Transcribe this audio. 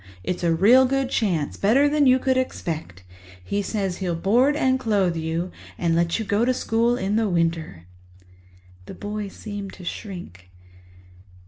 It's a real good chance—better than you could expect. He says he'll board and clothe you and let you go to school in the winter." The boy seemed to shrink.